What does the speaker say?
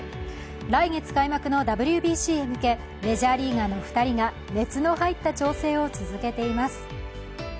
来月開幕のＷＢＣへ向けメジャーリーガーの２人が熱の入った調整を続けています。